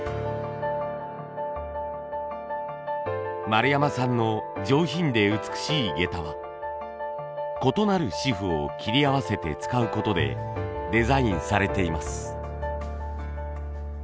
丸山さんの上品で美しい下駄は異なる紙布を切り合わせて使う事でデザインされています。